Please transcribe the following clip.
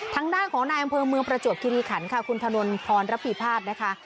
ทางด้านของนายอำเภอเมืองประจวบคิริขันค่ะคุณถนนพรรับปีภาษณ์นะคะ